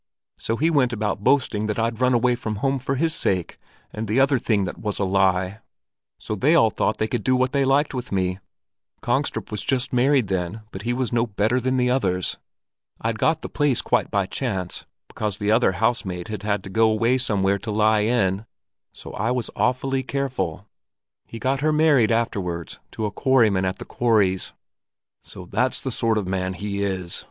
So he went about boasting that I'd run away from home for his sake, and the other thing that was a lie; so they all thought they could do what they liked with me. Kongstrup was just married then, but he was no better than the others. I'd got the place quite by chance, because the other housemaid had had to go away somewhere to lie in; so I was awfully careful. He got her married afterwards to a quarryman at the quarries." "So that's the sort of man he is!"